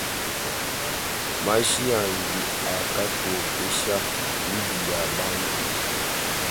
Mashi andi akantokesha mibi ya bantu.